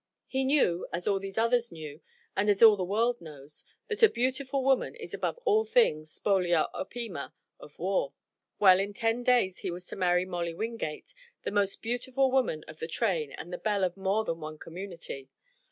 He knew, as all these others knew and as all the world knows, that a beautiful woman is above all things spolia opima of war. Well, in ten days he was to marry Molly Wingate, the most beautiful woman of the train and the belle of more than one community.